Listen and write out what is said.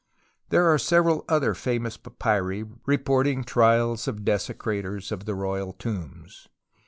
There are several other famous papyri report ing trials of desecrators of the royal tombs.